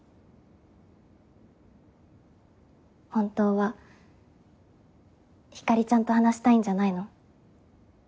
本当はひかりちゃんと話したいんじゃないの？